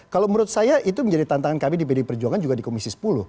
kalau menurut saya itu menjadi tantangan kami di pd perjuangan juga di komisi sepuluh